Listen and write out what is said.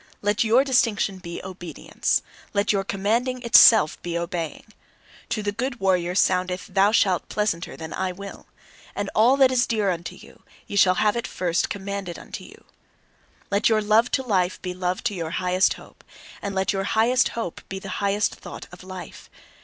Let your distinction be obedience. Let your commanding itself be obeying! To the good warrior soundeth "thou shalt" pleasanter than "I will." And all that is dear unto you, ye shall first have it commanded unto you. Let your love to life be love to your highest hope; and let your highest hope be the highest thought of life!